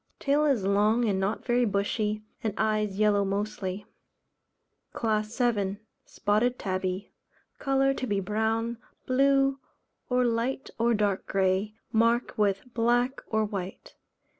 Tail is long and not very bushy, and eyes yellow mostly. CLASS VII. Spotted Tabby. Colour to be brown, blue, or light or dark grey, marked with black or white.